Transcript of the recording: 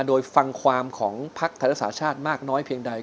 โดยฟังความของพักธรรมชาติชาติมากน้อยเพียงใด